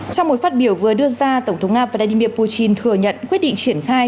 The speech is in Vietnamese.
trong một phát biểu vừa đưa ra tổng thống nga vladimir putin thừa nhận quyết định triển khai